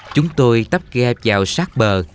chúng tôi tắp ghe vào sát bờ